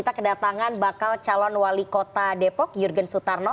tangan bakal calon wali kota depok yurgen sutarno